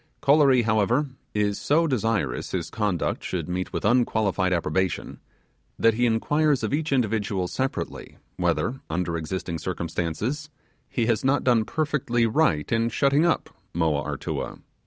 Kolory however, is so desirous his conduct should meet with unqualified approbation, that he inquires of each individual separately whether under existing circumstances he has not done perfectly right in shutting up Moa Artua.